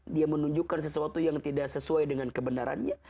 dia menunjukkan sesuatu yang tidak sesuai dengan kebenarannya